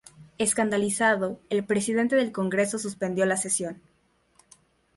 Escandalizado, el presidente del Congreso suspendió la sesión.